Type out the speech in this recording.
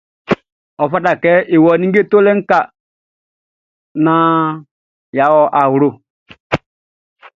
Ɔ fata kɛ e wɔ ninnge tolɛ ka naan yʼa wɔ awlo.